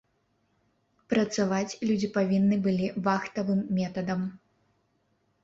Працаваць людзі павінны былі вахтавым метадам.